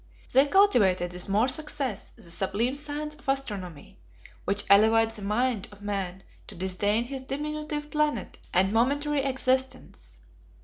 60 They cultivated with more success the sublime science of astronomy, which elevates the mind of man to disdain his diminutive planet and momentary existence.